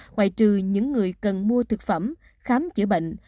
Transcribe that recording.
ngoại trừ những người cần mua thực phẩm khám chữa bệnh